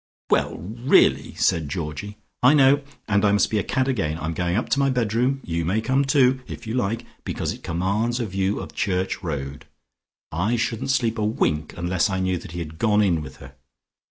"Well, really " said Georgie. "I know. And I must be a cad again. I'm going up to my bedroom, you may come, too, if you like, because it commands a view of Church Road. I shouldn't sleep a wink unless I knew that he had gone in with her.